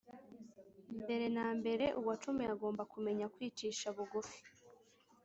mbere na mbere uwacumuye agomba kumenya kwicisha bugufi